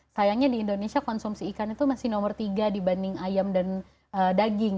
sayangnya di indonesia konsumsi ikan itu masih nomor tiga dibanding ayam dan daging